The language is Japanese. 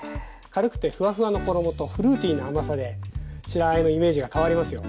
軽くてフワフワの衣とフルーティーな甘さで白あえのイメージが変わりますよ。